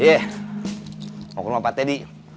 iya mau ke rumah pak teddy